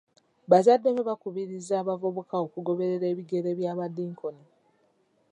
Bazadde be baakubiriza abavubuka okugoberera ebigere by'abadinkoni.